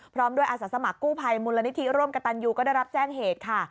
พร้อมด้วยอาสาสมัครกู้ภัยมูลนิธิร่วมกับตันยูก็ได้รับแจ้งเหตุค่ะ